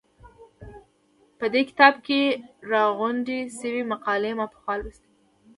په دې کتاب کې راغونډې شوې مقالې ما پخوا لوستې وې.